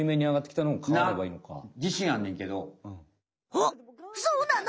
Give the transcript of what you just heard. おっそうなの！？